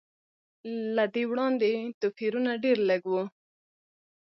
له دې وړاندې توپیرونه ډېر لږ و.